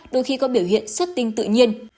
đôi khi có biểu hiện xuất tinh tự nhiên